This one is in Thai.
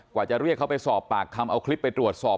กว่าจะเรียกเขาไปสอบปากคำเอาคลิปไปตรวจสอบ